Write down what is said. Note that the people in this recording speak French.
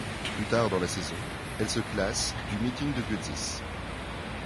Plus tard dans la saison, elle se classe du meeting de Götzis.